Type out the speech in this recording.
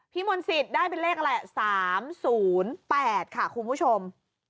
พี่มนต์สิทธิ์ได้เป็นเลขอะไร๓๐๘ค่ะครูผู้ชม